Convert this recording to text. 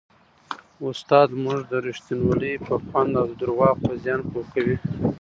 استاد موږ د رښتینولۍ په خوند او د درواغو په زیان پوه کوي.